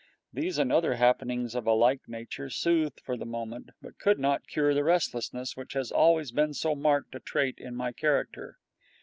These and other happenings of a like nature soothed for the moment but could not cure the restlessness which has always been so marked a trait in my character.